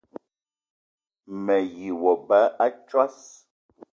Me yi wa ba a tsoss!